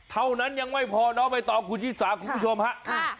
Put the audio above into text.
เท่านั้นยังไม่พอเนอะไปต่อครูชิสาคุณผู้ชมฮะอ่า